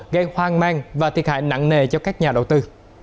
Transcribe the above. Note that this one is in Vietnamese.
gây hoang mang và thiệt hại nặng nề cho các nhà đầu tư